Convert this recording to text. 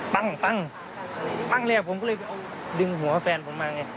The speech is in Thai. ปั้งปั้งแรกผมก็เลยดึงหัวแฟนผมมาไง